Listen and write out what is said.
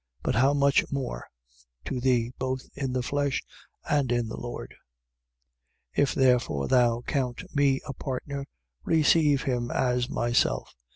But how much more to thee, both in the flesh and in the Lord? 1:17. If therefore thou count me a partner, receive him as myself.